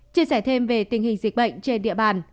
chia sẻ thêm về tình hình dịch bệnh trên địa bàn